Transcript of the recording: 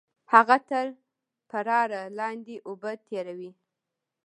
هغه تر پراړه لاندې اوبه تېروي